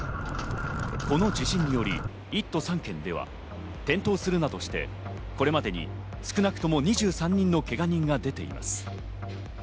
この地震により１都３県では転倒するなどして、これまでに少なくとも２３人のけが人が出ています。